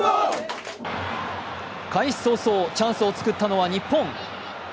開始早々、チャンスを作ったのは日本。